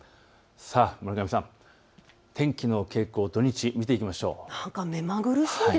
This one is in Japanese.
村上さん、天気の傾向、土日見ていきましょう。